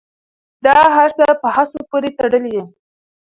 دا هر څه په هڅو پورې تړلي دي.